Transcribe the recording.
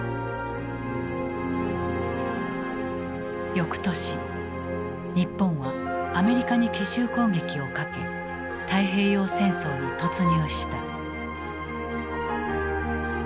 翌年日本はアメリカに奇襲攻撃をかけ太平洋戦争に突入した。